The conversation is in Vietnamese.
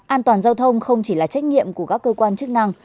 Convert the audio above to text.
an toàn giao thông không chỉ là trách nhiệm của các cơ quan chức năng